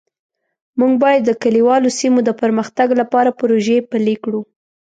موږ باید د کلیوالو سیمو د پرمختګ لپاره پروژې پلي کړو